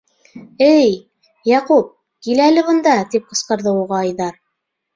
- Эй, Яҡуп, кил әле бында! — тип ҡысҡырҙы уға Айҙар.